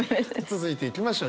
続いていきましょう。